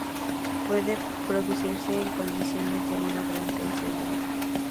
Puede producirse en condiciones de una gran tensión mental.